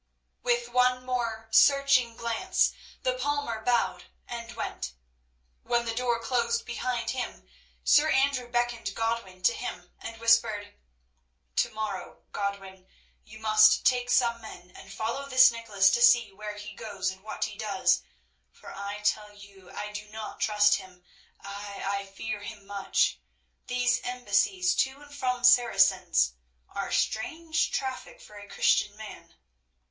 With one more searching glance the palmer bowed and went. When the door closed behind him Sir Andrew beckoned Godwin to him, and whispered: "To morrow, Godwin, you must take some men and follow this Nicholas to see where he goes and what he does, for I tell you I do not trust him—ay, I fear him much! These embassies to and from Saracens are strange traffic for a Christian man.